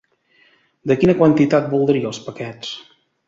De quina quantitat voldria els paquets?